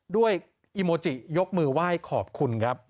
อีโมจิยกมือไหว้ขอบคุณครับ